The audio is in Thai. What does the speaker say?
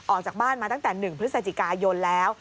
ออกจากบ้านมาตั้งแต่๑พฤศจิกายนแล้ว